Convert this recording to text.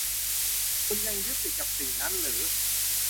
คุณยังยึดติดกับสิ่งนั้นหรือ